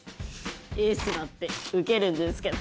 エースだってウケるんですけど。